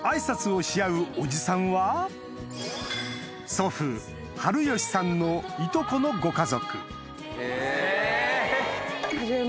祖父治良さんのいとこのご家族へぇ。